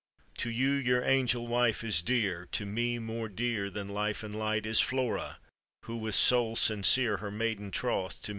"To you your angel wife is dear, To me more dear than life and light Is Flora * who with soul sincere Her maiden troth to me did plight.